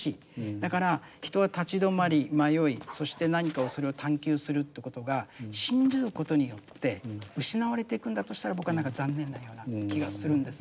だから人は立ち止まり迷いそして何かをそれを探求するってことが信じることによって失われていくんだとしたら僕はなんか残念なような気がするんですよね。